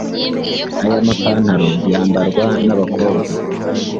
Aya mapantalo yambarwa n’abakobwa